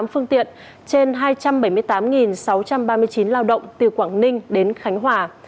sáu mươi một bốn trăm sáu mươi tám phương tiện trên hai trăm bảy mươi tám sáu trăm ba mươi chín lao động từ quảng ninh đến khánh hòa